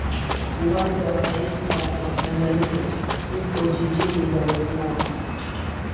Uwanja wa taifa wa Tanzania upo jijini Dar es Salaam.